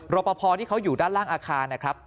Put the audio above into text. รอปภที่เขาอยู่ด้านล่างอาคารนะครับ